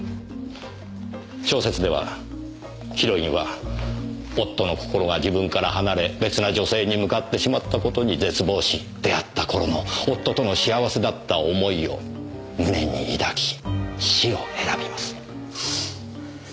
小説ではヒロインは夫の心が自分から離れ別な女性に向かってしまった事に絶望し出会った頃の夫との幸せだった思いを胸に抱き死を選びます。